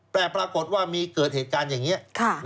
แต่ปรากฏว่ามีเกิดเหตุการณ์อย่างนี้